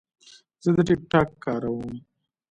زه د ټک ټاک کاروم.